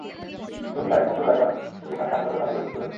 দুনিয়ার একমাত্র জায়গা যেখানে কামিলারো ছাগলের অস্তিত্ব রয়েছে।